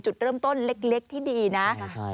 จุดเริ่มต้นเล็กที่ดีนะ